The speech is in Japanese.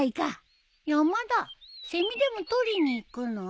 山田セミでも捕りに行くの？